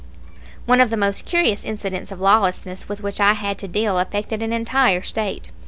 One of the most curious incidents of lawlessness with which I had to deal affected an entire State.